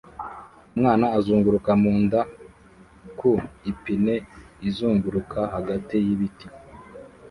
Umwana azunguruka mu nda ku ipine izunguruka hagati y'ibiti